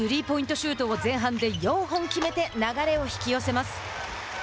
シュートを前半で４本決めて流れを引き寄せます。